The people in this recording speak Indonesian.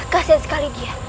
kasian sekali dia